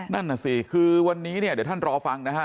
นั่นน่ะสิคือวันนี้เนี่ยเดี๋ยวท่านรอฟังนะฮะ